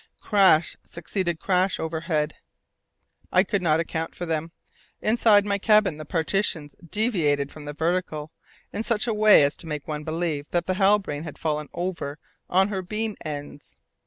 Crash succeeded crash overhead. I could not account for them. Inside my cabin the partitions deviated from the vertical in such a way as to make one believe that the Halbrane had fallen over on her beam ends.